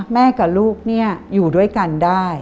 แม่กับลูกอยู่ด้วยกันได้